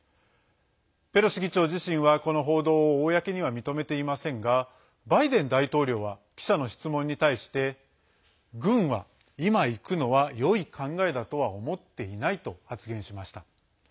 ペロシ議長自身は、この報道を公には認めていませんがバイデン大統領は記者の質問に対して軍はいま行くのはよい考えだとは思っていないと発言しました。